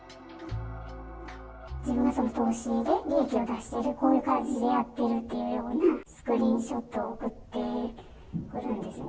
自分が投資で利益を出している、こういう感じでやっているっていうようなスクリーンショットを送ってくるんですね。